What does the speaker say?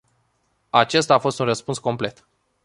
Acesta a fost un răspuns complet.